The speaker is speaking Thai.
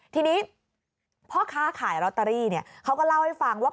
ทีนี้พ่อค้าขายลอตเตอรี่เขาก็เล่าให้ฟังว่า